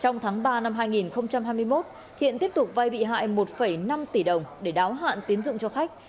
năm hai nghìn hai mươi một thiện tiếp tục vay bị hại một năm tỷ đồng để đáo hạn tín dụng cho khách